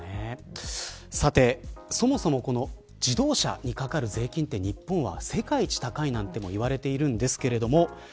さて、そもそもこの自動車にかかる税金って日本は世界一高いなどともいわれているんですけれども。